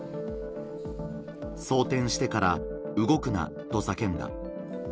装填してから動くなと叫んだ。